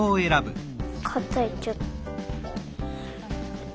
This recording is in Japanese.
かたいちょっと。